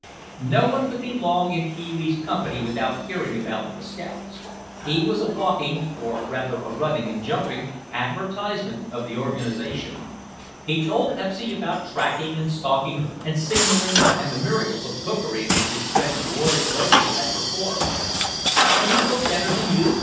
No one could be long in Pee wee's company without hearing about the scouts; he was a walking (or rather a running and jumping) advertisement of the organization. He told Pepsy about tracking and stalking and signaling and the miracles of cookery which his friend Roy Blakeley had performed. "Can he cook better than you?"